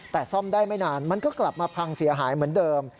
แต่ซ่อมได้ไม่นานมันก็กลับมาพังเสียหายเหมือนเดิม